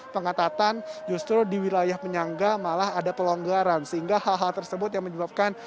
pengatatan justru di wilayah penyangga malah ada pelonggaran sehingga hal hal tersebut yang menyebabkan